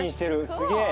すげえ。